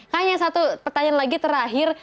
hanya satu pertanyaan lagi terakhir